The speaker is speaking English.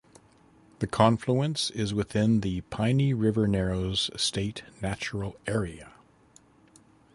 The confluence is within the "Piney River Narrows State Natural Area".